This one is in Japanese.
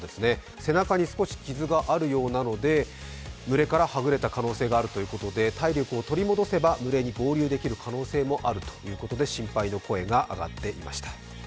背中に少し傷があるようなので、群れからはぐれた可能性があるということで体力を取り戻せば群れに合流できる可能性もあるということで心配の声が上がっていました。